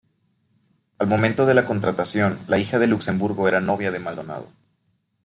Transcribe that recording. Al momento de la contratación, la hija de Luxemburgo era novia de Maldonado.